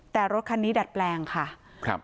แต่รถคันนี้ดัดแปลงค่ะครับ